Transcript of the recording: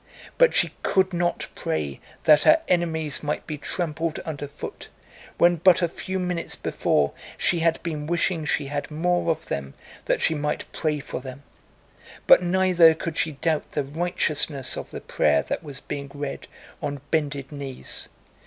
But she could not pray that her enemies might be trampled under foot when but a few minutes before she had been wishing she had more of them that she might pray for them. But neither could she doubt the righteousness of the prayer that was being read on bended knees.